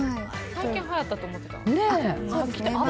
最近はやったと思ってた。